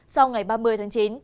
sau ngày ba mươi tháng chín